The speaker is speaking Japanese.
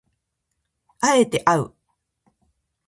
敢えてあう